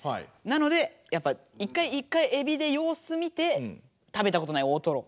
なのでやっぱ一回えびで様子見て食べたことない大トロ。